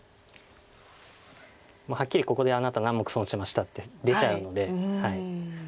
はっきり「ここであなた何目損しました」って出ちゃうので。